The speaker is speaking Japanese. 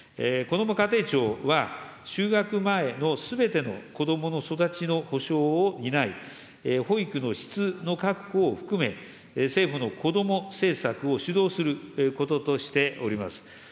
こども家庭庁は、就学前のすべての子どもの育ちの保障を担い、保育の質の確保を含め、政府の子ども政策を主導することとしております。